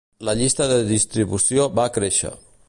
La llista de distribució va créixer.